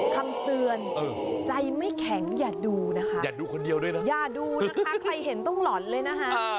คำเตือนใจไม่แข็งอย่าดูอย่าดูนะคะใครเห็นต้องหล่อนเลยนะฮะ